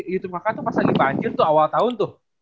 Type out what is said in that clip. itu makanya tuh pas lagi banjir tuh awal tahun tuh